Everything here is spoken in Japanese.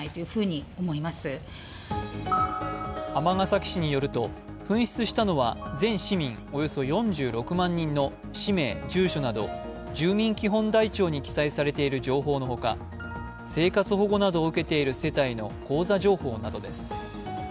尼崎市によると紛失したのは、全市民およそ４６万人の氏名、住所など住民基本台帳に記載されている情報のほか生活保護などを受けている世帯の口座情報などです。